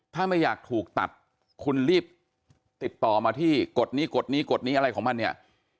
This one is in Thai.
ถ้าไม่อยากถูกตัดคุณรีบติดต่อมาที่กฎนี้กฎนี้กฎนี้อะไรของมันเนี่ย